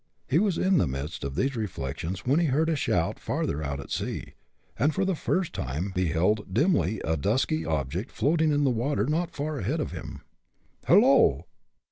He was in the midst of these reflections when he heard a shout farther out at sea, and for the first time beheld dimly a dusky object floating in the water not far ahead of him. "Hello!